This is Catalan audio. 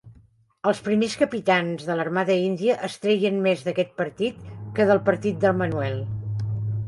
Els primers capitans de l"armada índia es treien més d"aquest partit que del partit del Manuel.